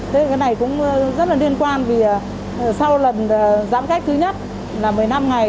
thế là cái này cũng rất là liên quan vì sau lần giãn cách thứ nhất là một mươi năm ngày